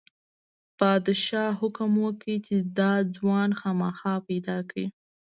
پادشاه حکم وکړ چې دا ځوان خامخا پیدا کړئ.